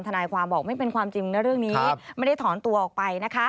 ทนายความบอกไม่เป็นความจริงนะเรื่องนี้ไม่ได้ถอนตัวออกไปนะคะ